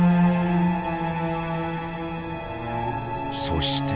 そして。